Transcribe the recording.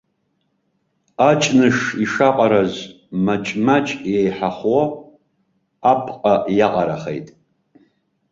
Аҷныш ишаҟараз, маҷ-маҷ еиҳахо, апҟа иаҟарахеит.